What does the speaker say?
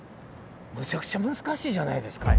むちゃくちゃ難しいじゃないですか。